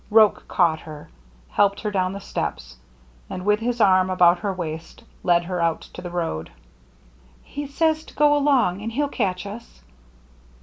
Roche caught her, helped her down the steps, and with his arm about her waist led her out to the road. " He says to go along, and he'll catch us."